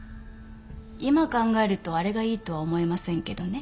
今考えるとあれがいいとは思えませんけどね。